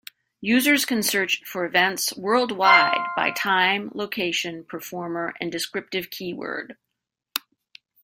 Users can search for events worldwide by time, location, performer, and descriptive keyword.